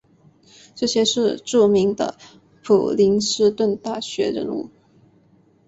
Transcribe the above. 这些是著名的普林斯顿大学人物。